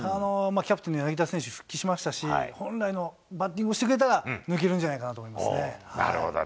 キャプテンの柳田選手、復帰しましたし、本来のバッティングをしてくれたら、抜けるんじゃないかなるほど。